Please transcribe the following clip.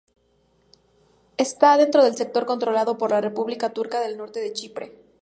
Está dentro del sector controlado por la República Turca del Norte de Chipre.